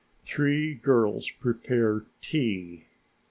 Three girls prepare tea.